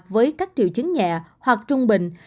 với các triệu chứng nhẹ hoặc trung bình